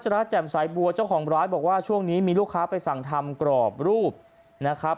ร้านแจ่มสายบัวเจ้าของร้านบอกว่าช่วงนี้มีลูกค้าไปสั่งทำกรอบรูปนะครับ